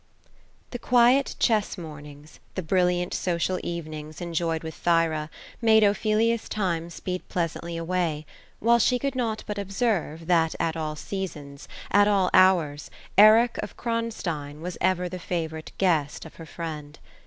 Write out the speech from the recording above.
The quiet chess mornings, the brilliant social evenings, enjoyed with Thyra, made Ophelia's time speed pleasantly away ; while she could not but observe, that at all seasons, at all hours, Eric of Kronstein was ever the favorite guest of her friend.